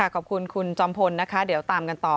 ขอบคุณคุณจอมพลนะคะเดี๋ยวตามกันต่อ